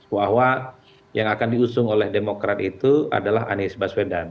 bahwa yang akan diusung oleh demokrat itu adalah anies baswedan